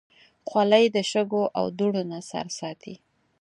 خولۍ د شګو او دوړو نه سر ساتي.